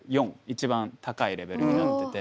一番高いレベルになってて。